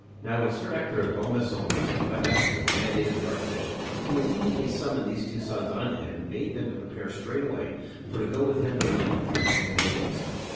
Now when Sir Ector of Bonmaison received by messenger the mandate of the Archbishop, he immediately summoned these two sons unto him and bade them to prepare straightway for to go with him to London Town, and they did so.